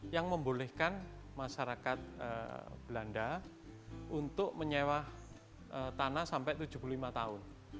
yang membolehkan masyarakat belanda untuk menyewa tanah sampai tujuh puluh lima tahun